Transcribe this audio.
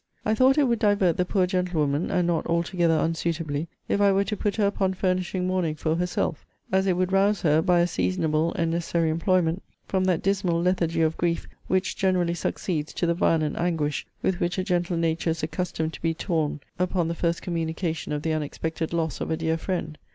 I thought it would divert the poor gentlewoman, and not altogether unsuitably, if I were to put her upon furnishing mourning for herself; as it would rouse her, by a seasonable and necessary employment, from that dismal lethargy of grief, which generally succeeds to the violent anguish with which a gentle nature is accustomed to be torn upon the first communication of the unexpected loss of a dear friend.